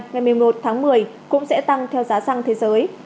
ngày một mươi một tháng một mươi cũng sẽ tăng theo giá xăng thế giới